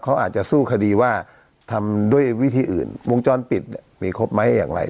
เขาอาจจะสู้คดีว่าทำด้วยวิธีอื่นวงจรปิดมีครบไหมอย่างไร